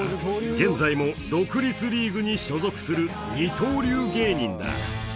現在も独立リーグに所属する二刀流芸人だ